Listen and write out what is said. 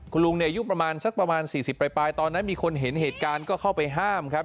คุณลุงเนี่ยอายุประมาณสักประมาณ๔๐ปลายตอนนั้นมีคนเห็นเหตุการณ์ก็เข้าไปห้ามครับ